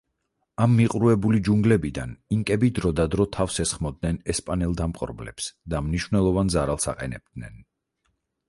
ამ მიყრუებული ჯუნგლებიდან ინკები დროდადრო თავს ესხმოდნენ ესპანელ დამპყრობლებს და მნიშვნელოვან ზარალს აყენებდნენ.